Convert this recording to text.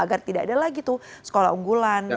agar tidak ada lagi tuh sekolah unggulan